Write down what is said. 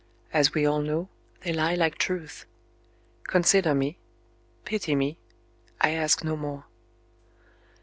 As we all know, they lie like truth. Consider me. Pity me. I ask no more."